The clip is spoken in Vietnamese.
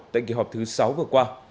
tại kỳ họp thứ sáu vừa qua